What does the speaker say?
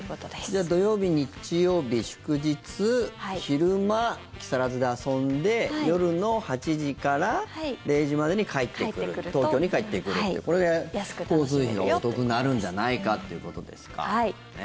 じゃあ土曜日、日曜日、祝日、昼間木更津で遊んで夜の８時から０時までに東京に帰ってくるというこれで交通費がお得になるんじゃないかということですか。